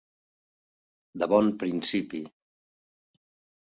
De bon principi.